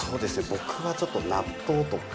僕はちょっと納豆とか。